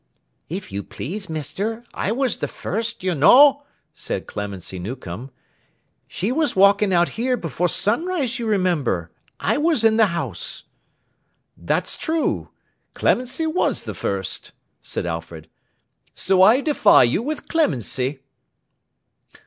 'If you please, Mister, I was the first you know,' said Clemency Newcome. 'She was walking out here, before sunrise, you remember. I was in the house.' 'That's true! Clemency was the first,' said Alfred. 'So I defy you with Clemency.